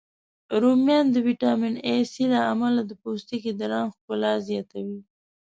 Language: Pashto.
رومیان د ویټامین C، A، له امله د پوستکي د رنګ ښکلا زیاتوی